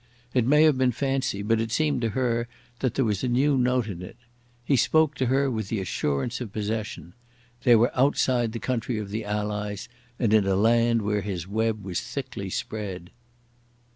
It may have been fancy, but it seemed to her that there was a new note in it. He spoke to her with the assurance of possession. They were outside the country of the Allies, and in a land where his web was thickly spread.